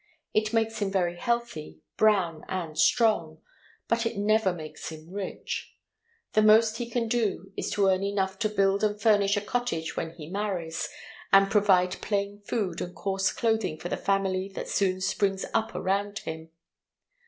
It makes him very healthy, brown, and strong, but it never makes him rich. The most he can do is to earn enough to build and furnish a cottage when he marries, and provide plain food and coarse clothing for the family that soon springs up around him.